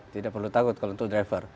tidak perlu takut kalau untuk driver